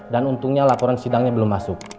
dan untungnya laporan sidangnya belum masuk